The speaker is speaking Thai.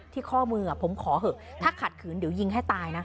ข้อมือผมขอเหอะถ้าขัดขืนเดี๋ยวยิงให้ตายนะ